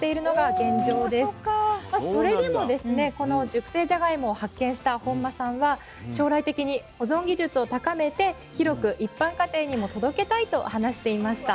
この熟成じゃがいもを発見した本間さんは将来的に保存技術を高めて広く一般家庭にも届けたいと話していました。